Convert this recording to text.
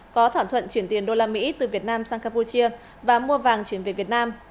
có thỏa thuận chuyển tiền đô la mỹ từ việt nam sang campuchia và mua vàng chuyển về việt nam